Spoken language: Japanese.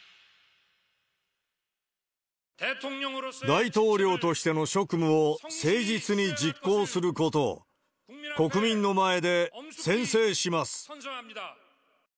大統領としての職務を誠実に実行することを、国民の前で宣誓します。